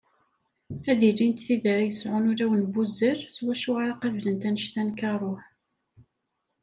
Ad ilint tid ara yesɛun ulawen n wuzzal s wacu ara qablent anect-a n karuh.